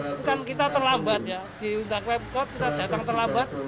itu kan kita terlambat ya di undang undang kita datang terlambat